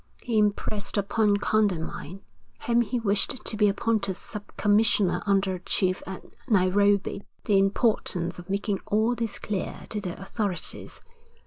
He impressed upon Condamine, whom he wished to be appointed sub commissioner under a chief at Nairobi, the importance of making all this clear to the authorities.